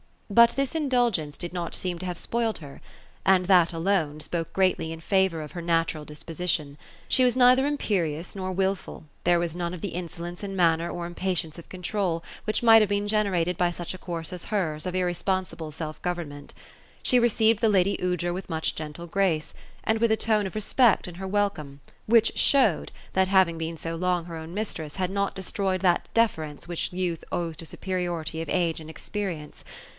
But this indulgence did not seem to have spoiled her — and that alone, spoke greatly in favor of her natural dif>po sition She was neither imperious, nor wilful; there was none of the insolence in manner, or impatience of controul, which might have been generated by such a course as hers, of irresponsible self government. She received the lady Aoudra with much gentle grace ; and with a tone of respect in her welcome, which showed, that having been so long her own mistress had not destroyed that deference which youth owes to superi ority of age and experience.